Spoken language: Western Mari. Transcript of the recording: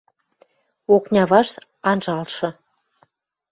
Окня вашт анжалшы